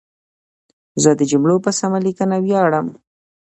زه د جملو په سمه لیکنه ویاړم.